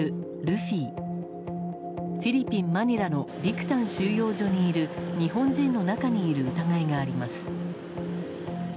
フィリピン・マニラのビクタン収容所にいる日本人の中にいる疑いがあります。